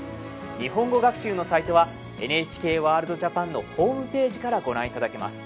日本語学習のサイトはＮＨＫワールドＪＡＰＡＮのホームページからご覧いただけます。